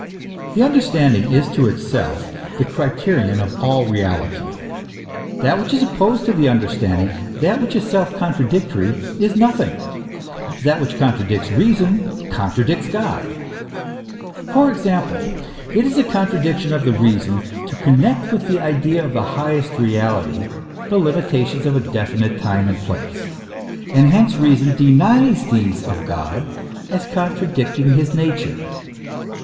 The understanding is to itself the criterion of all reality. That which is opposed to the understanding, that which is self contradictory, is nothing; that which contradicts reason, GOD AS A BEING OF THE UNDERSTANDING. 37 contradicts God. For example, it is a contradiction of reason to connect with the idea of the highest reality the limitations of definite time and place; and hence reason denies these of God, as contradicting his nature.